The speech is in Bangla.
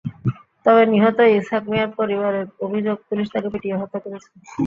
তবে নিহত ইসহাক মিয়ার পরিবারের অভিযোগ, পুলিশ তাঁকে পিটিয়ে হত্যা করেছে।